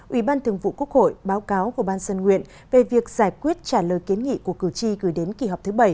ủy ban thường vụ quốc hội báo cáo của ban dân nguyện về việc giải quyết trả lời kiến nghị của cử tri gửi đến kỳ họp thứ bảy